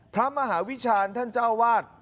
พระมหาวิชาณธรรมทราวาส